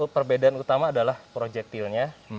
perbedaan utama adalah projektilnya